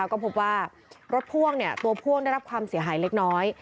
ก็พบว่ารถพ่วงตัวพ่วงได้รับความเสียหายเล็กน้อย